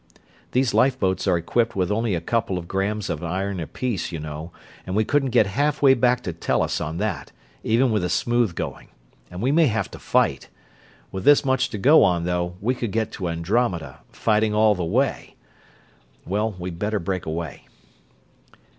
These lifeboats are equipped with only a couple of grams of iron apiece, you know, and we couldn't get half way back to Tellus on that, even with smooth going; and we may have to fight. With this much to go on, though, we could go to Andromeda, fighting all the way. Well, we'd better break away."